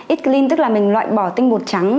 eat clean tức là mình loại bỏ tinh bột trắng